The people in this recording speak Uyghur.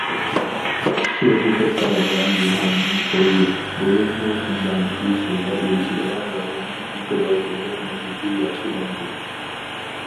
سۇ ئېقىپ بارىدىغان لىنىيەنىڭ بويى، بولۇپمۇ، شىنجاڭدىكى سۇغا ئېرىشىدىغان رايوننىڭ ئېكولوگىيەلىك مۇھىتى ياخشىلىنىدۇ.